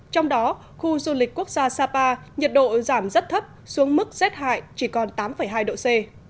trong đó khu du lịch quốc gia sapa nhiệt độ giảm rất thấp xuống mức rét hại chỉ còn tám hai độ c